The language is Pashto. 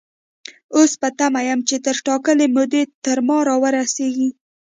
اوس په تمه يم چې تر ټاکلې مودې تر ما را ورسيږي.